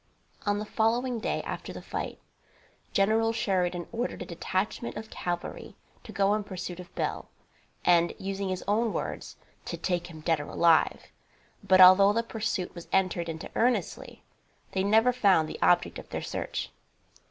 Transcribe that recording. On the following day after the fight, Gen. Sheridan ordered a detachment of cavalry to go in pursuit of Bill, and, using his own words, "to take him dead or alive," but, although the pursuit was entered into earnestly, they never found the object of their search.